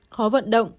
khó vận động